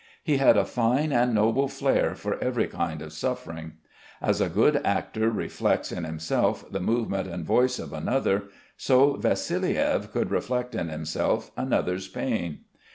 He had a fine and noble flair for every kind of suffering. As a good actor reflects in himself the movement and voice of another, so Vassiliev could reflect in himself another's pain.